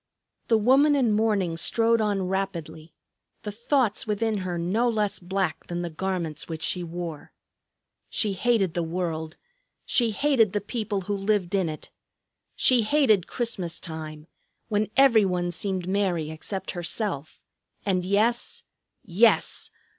The woman in mourning strode on rapidly, the thoughts within her no less black than the garments which she wore. She hated the world; she hated the people who lived in it. She hated Christmas time, when every one seemed merry except herself. And yes, yes!